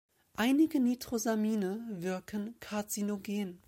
Einige Nitrosamine wirken karzinogen.